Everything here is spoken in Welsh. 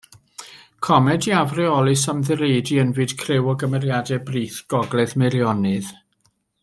Comedi afreolus am ddireidi ynfyd criw o gymeriadau brith gogledd Meirionnydd.